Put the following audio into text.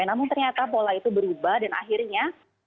namun ternyata pola itu berubah dan akhirnya